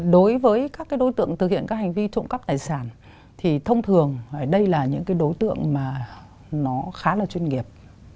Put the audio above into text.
đối với các đối tượng thực hiện các hành vi trộm cấp tài sản thì thông thường ở đây là những đối tượng khá là chuyên nghiệp